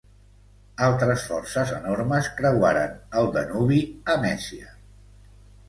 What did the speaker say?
Altres forces enormes creuaren el Danubi a Mèsia.